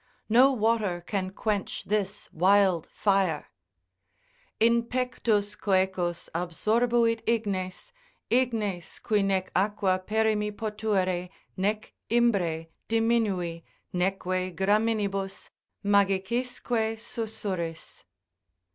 No water can quench this wild fire. ———In pectus coecos absorbuit ignes, Ignes qui nec aqua perimi potuere, nec imbre Diminui, neque graminibus, magicisque susurris.